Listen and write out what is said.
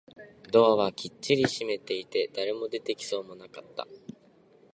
ドアはきっちりと閉まっていて、誰も出てきそうもなかった